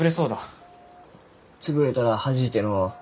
潰れたらはじいてのう。